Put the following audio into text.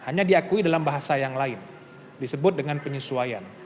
hanya diakui dalam bahasa yang lain disebut dengan penyesuaian